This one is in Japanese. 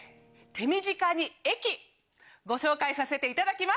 手短に駅ご紹介させていただきます。